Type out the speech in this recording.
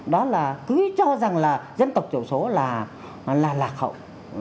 đó là cứ cho rằng là dân tộc tiểu số là là lạc hậu